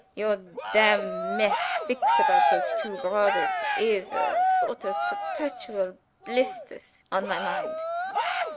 Your damn mess fix about those two brodders is a sort of perpetual blisters on my mind.